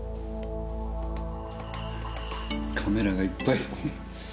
カメラがいっぱい。